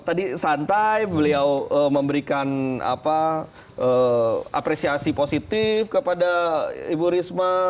tadi santai beliau memberikan apresiasi positif kepada ibu risma